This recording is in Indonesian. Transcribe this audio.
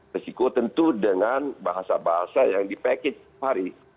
risiko tentu dengan bahasa bahasa yang dipackage sehari